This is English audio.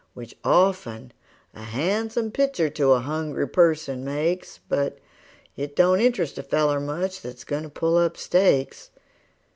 Which often a han'some pictur' to a hungry person makes, But it don't interest a feller much that's goin' to pull up stakes.